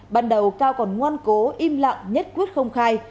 ban đầu cao còn ngoan cố im lặng nhất quyết không khai